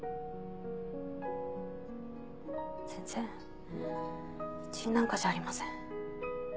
全然一員なんかじゃありません。